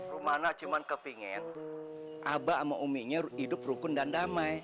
rumana cuma kepengen aba sama uminya hidup rukun dan damai